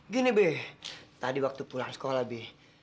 gini be tadi waktu pulang sekolah b